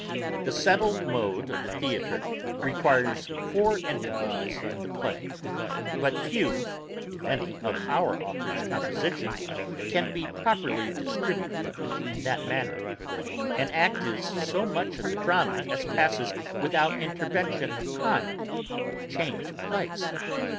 The settled mode of the theatre requires four intervals in the play, but few, if any, of our authour's compositions can be properly distributed in that manner. An act is so much of the drama as passes without intervention of time or change of place.